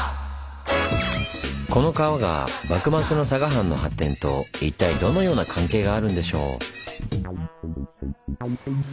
この川が幕末の佐賀藩の発展と一体どのような関係があるんでしょう？